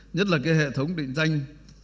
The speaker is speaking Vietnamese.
nhất là hệ thống định danh